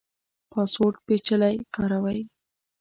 پاسورډ پیچلی کاروئ؟